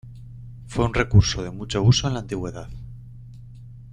Fue un recurso de mucho uso en la antigüedad.